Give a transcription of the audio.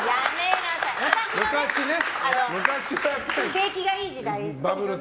景気がいい時代ね。